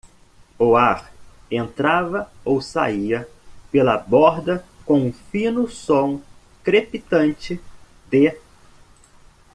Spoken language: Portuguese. O ar entrava ou saía pela borda com um fino som crepitante de?.